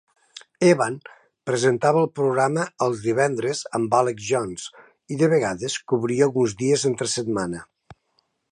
Evan presentava el programa els divendres amb Alex Jones i, de vegades, cobria alguns dies entre setmana.